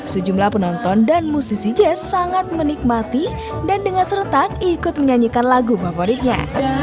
sejumlah penonton dan musisi jazz sangat menikmati dan dengan seretak ikut menyanyikan lagu favoritnya